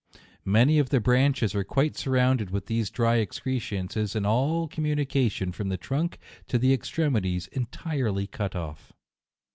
Many of the branches are quite surrounded with these dry excrescences, and all communication from the trunk to the ex tremities entirely cut off.